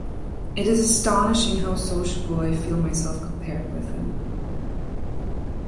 It is astonishing how sociable I feel myself compared with him.